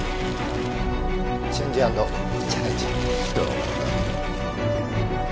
チェンジアンドチャレンジ！